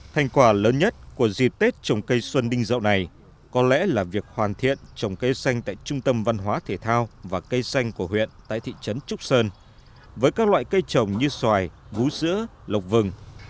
thành quả lớn nhất của dịp tết trồng cây xuân đinh dậu này có lẽ là việc hoàn thiện trồng cây xanh tại trung tâm văn hóa thể thao và cây xanh của huyện tại thị trấn trúc sơn với các loại cây trồng như xoài vú sữa lộc vừng